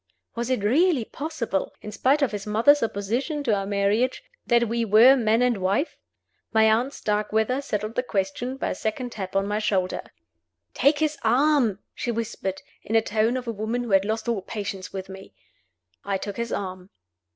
Was it really possible in spite of his mother's opposition to our marriage that we were Man and Wife? My aunt Starkweather settled the question by a second tap on my shoulder. "Take his arm!" she whispered, in the tone of a woman who had lost all patience with me. I took his arm.